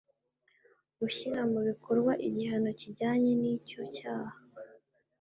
gushyira mu bikorwa igihano kijyanye n icyo cyaha